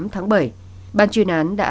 một mươi tám tháng bảy bàn chuyên án đã